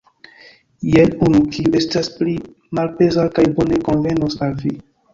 Jen unu, kiu estas pli malpeza kaj bone konvenos al vi.